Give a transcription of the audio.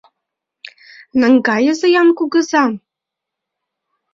Наҥгайыза-ян кугызам!»